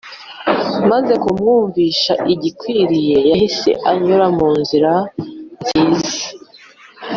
Maze kumwumvisha igikwiye yahise yemera kunyura mu nzira nziza